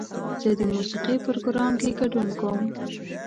زه د موسیقۍ پروګرام کې ګډون کوم.